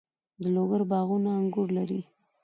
د لوګر باغونه انګور لري.